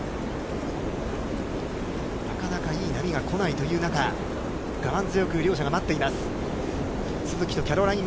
なかなかいい波が来ないという中、我慢強く両者が待っています。